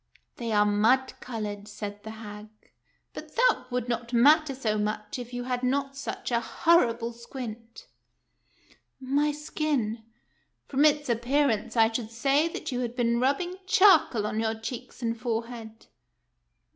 " They are mud colored," said the hag ;" but that would not matter so much if you had not such a horrible squint." " My skin "—" From its appearance, I should say that you had been rubbing charcoal on your cheeks and forehead."